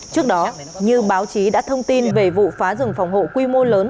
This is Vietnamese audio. trước đó như báo chí đã thông tin về vụ phá rừng phòng hộ quy mô lớn